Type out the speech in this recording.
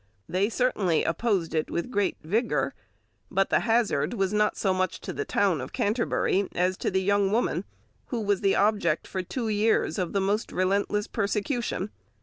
They certainly opposed it with great vigour, but the hazard was not so much to the town of Canterbury as to the young woman, who was the object for two years of the most relentless persecution.